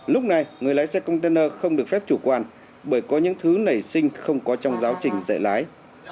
lúc này người lái xe container không được phép chủ quan bởi có những thứ nảy sinh không có trong giáo trình dạy lái